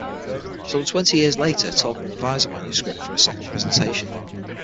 Some twenty years later, Tolkien revised the manuscript for a second presentation.